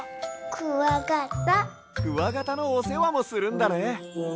クワガタのおせわもするんだね。